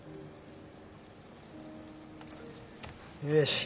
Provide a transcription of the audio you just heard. よし。